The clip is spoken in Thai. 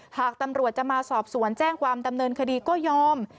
หากตำรวจจะมาสอบสวนแจ้งความดำเนินคดีก็ยอม